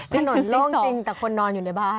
โล่งจริงแต่คนนอนอยู่ในบ้าน